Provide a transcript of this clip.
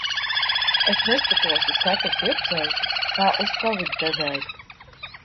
Es neskatos uz katru pircēju kā uz kovid devēju.